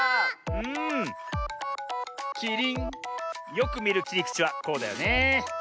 よくみるきりくちはこうだよねえ。